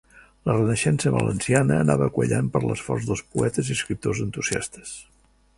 La Renaixença valenciana anava quallant per l'esforç dels poetes i escriptors entusiastes.